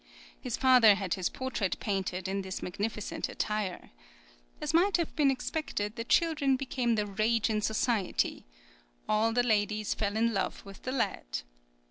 His father had his portrait painted in this magnificent attire. As might have been expected, the children became the rage in society; "all the ladies fell in love with the lad."